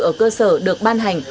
ở cơ sở được ban hành